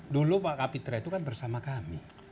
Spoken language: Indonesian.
dulu pak kapitra itu kan bersama kami